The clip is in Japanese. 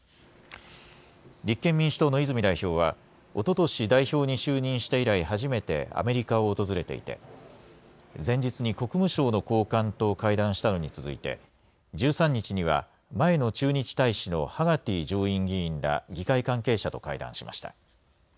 立憲民主党の泉代表はおととし代表に就任して以来、初めてアメリカを訪れていて前日に国務省の高官と会談したのに続いて１３日には前の駐日大使のハガティ上院議員ら議会関係者と会談しました。